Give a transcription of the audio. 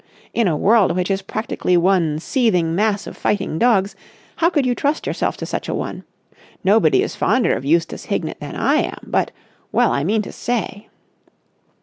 In a world which is practically one seething mass of fighting dogs, how could you trust yourself to such a one? Nobody is fonder of Eustace Hignett than I am, but ... well, I mean to say!"